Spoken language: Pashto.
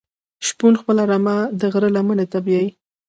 شپون خپله رمه د غره لمنی ته بیایی.